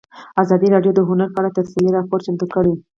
ازادي راډیو د هنر په اړه تفصیلي راپور چمتو کړی.